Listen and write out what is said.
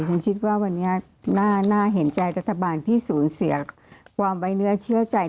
คุณคิดว่าวันนี้น่าเห็นใจรัฐบาลที่สูญเสียความไว้เนื้อเชื่อใจ